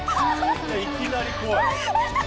いきなり怖い。